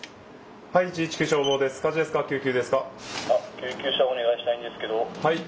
☎救急車をお願いしたいんですけど。